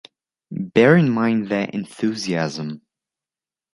Bear in mind their enthusiasm!